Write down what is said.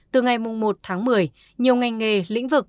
từ ngày một tháng một mươi nhiều ngành nghề lĩnh vực